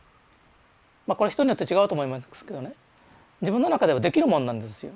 これ人によって違うと思いますけどね自分の中ではできるもんなんですよ